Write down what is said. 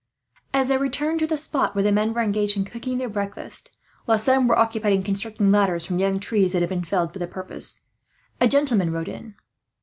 As they returned to the spot where the men were engaged in cooking their breakfast, while some were occupied in constructing ladders from young trees that had been felled for the purpose, a gentleman rode in.